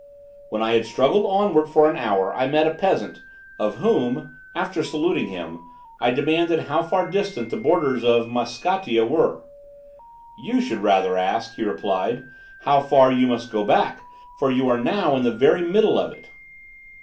When I had struggled onward for an hour I met a peasant, of whom, after saluting him, I demanded how far distant the borders of Maskattia were? "You should rather ask," he replied, "how far you must go back; for you are now in the very middle of it!"